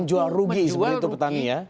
tidak mungkin menjual rugi sebenarnya itu petani ya